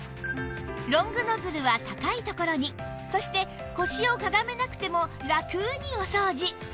ロングノズルは高い所にそして腰をかがめなくてもラクにお掃除